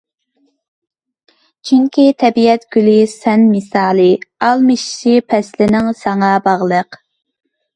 چۈنكى تەبىئەت گۈلى سەن مىسالى، ئالمىشىشى پەسىلنىڭ ساڭا باغلىق!